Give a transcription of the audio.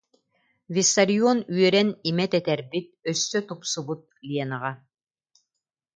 Виссарион үөрэн имэ тэтэрбит, өссө тупсубут ленаҕа: